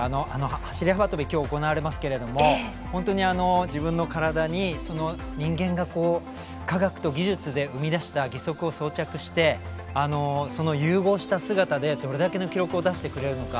走り幅跳びが今日行われますけれども本当に自分の体に人間が科学と技術で生み出した義足を装着して、その融合した姿でどれだけの記録を出してくれるのか。